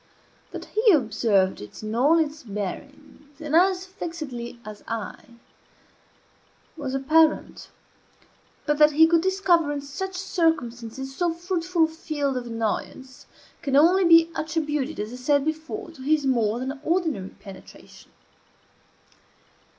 That he observed it in all its bearings, and as fixedly as I, was apparent; but that he could discover in such circumstances so fruitful a field of annoyance can only be attributed, as I said before, to his more than ordinary penetration.